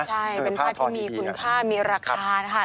ใช่เป็นผ้าที่มีคุณค่ามีราคานะคะ